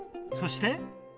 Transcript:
そして？